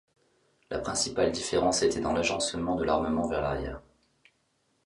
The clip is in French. La principale différence était dans l'agencement de l'armement vers l'arrière.